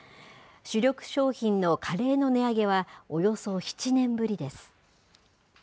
主力商品のカレーの値上げは、およそ７年ぶりです。